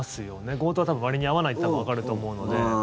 強盗は割に合わないっていうのはわかると思うので。